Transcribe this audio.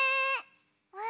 うわ！